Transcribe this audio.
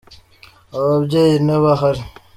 ababyeyi ntabahari.